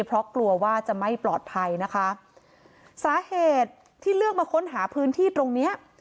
เพราะกลัวว่าจะไม่ปลอดภัยนะคะสาเหตุที่เลือกมาค้นหาพื้นที่ตรงเนี้ย